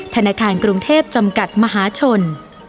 ธนาคารกรุงเทพจำกัดมหาชน